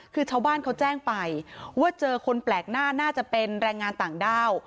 คือชาวบ้านเขาแจ้งไปว่าเจอคนแปลกหน้าน่าจะเป็นแรงงานต่างด้าว